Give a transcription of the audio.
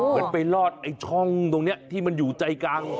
เหมือนไปลอดไอ้ช่องตรงนี้ที่มันอยู่ใจกลาง